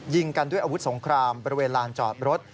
ยิงกันด้วยอาวุธสงครามบริเวณลานจอดรถ